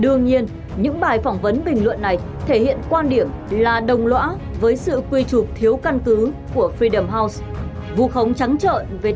đương nhiên những bài phỏng vấn bình luận này thể hiện quan điểm là đồng lõa với sự quy trục thiếu căn cứ của freedom house vù khống trắng trợn về tự do internet tự do thông tin ngôn luận ở việt nam